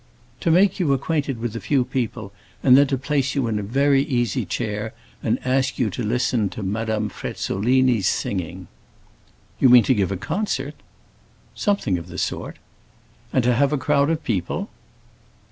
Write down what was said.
"To make you acquainted with a few people, and then to place you in a very easy chair and ask you to listen to Madame Frezzolini's singing." "You mean to give a concert?" "Something of that sort." "And to have a crowd of people?"